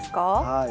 はい。